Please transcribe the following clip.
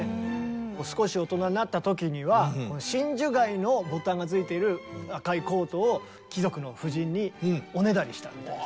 少し大人になった時には真珠貝のボタンが付いている赤いコートを貴族の夫人におねだりしたみたいです。